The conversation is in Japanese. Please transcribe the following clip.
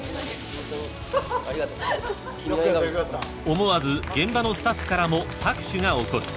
［思わず現場のスタッフからも拍手が起こる］